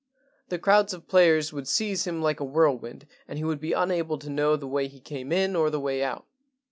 The crowds of players would seize him like a whirlwind and he would be un¬ able to know the way he came in or the way out.